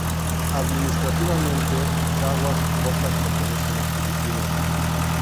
Administrativamente, sus aguas y costas pertenecen a Filipinas.